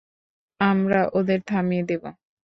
আমরা ওদের থামিয়ে দেবো।